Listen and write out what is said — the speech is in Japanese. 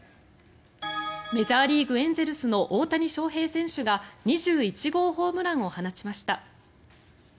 メジャーリーグ、エンゼルスの大谷翔平選手が２１号ホームランを放ちました。